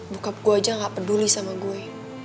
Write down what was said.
bokap gue aja gak peduli sama gue